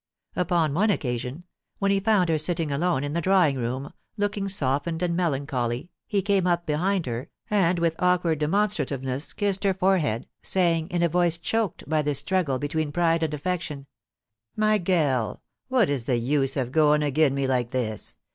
Upon one occasion, when he found her sitting alone in the drawing room, looking softened and melancholy, he came up behind her, and with awkward demonstrativeness kissed her forehead, saying, in a voice choked by the struggle between pride and affection :* My gell ! what is the use of going agen me like this